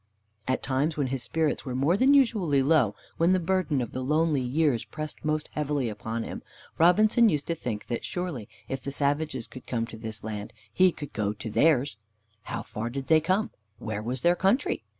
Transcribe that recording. At times, when his spirits were more than usually low, when the burden of the lonely years pressed most heavily upon him, Robinson used to think that surely if the savages could come to his land, he could go to theirs. How far did they come? Where was their country?